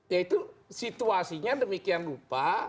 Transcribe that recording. yaitu situasinya demikian lupa